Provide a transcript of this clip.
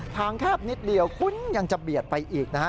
แคบนิดเดียวคุณยังจะเบียดไปอีกนะฮะ